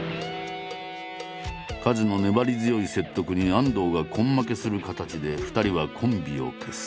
カズの粘り強い説得に安藤が根負けする形で２人はコンビを結成。